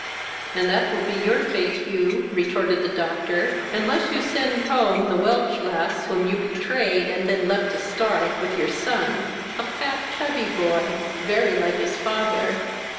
"And that will be your fate, Hugh, (retorted the Doctor,) unless you send home the Welch lass whom you betrayed, and then left to starve with your son, a fat chubby boy, very like his father."